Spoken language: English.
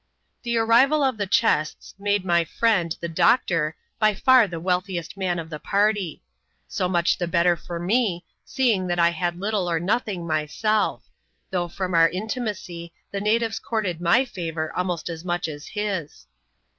The arriyal of the chests made mj friend, the doctor, bj fiirtlie wealthiest man of the party. So much the better for me, see ing that I had little or nothing myself; though from our inti macy, the natives courted my £a.vour almost as much as his.